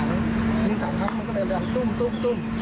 ก็เลยต้องยิง๓ครั้งยิง๓ครั้งก็เลยเริ่มตุ้มตุ้มตุ้ม